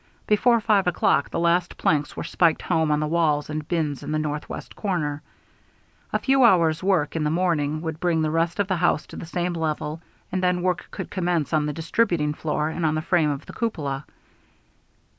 Before five o'clock the last planks were spiked home on the walls and bins in the northwest corner. A few hours' work in the morning would bring the rest of the house to the same level, and then work could commence on the distributing floor and on the frame of the cupola.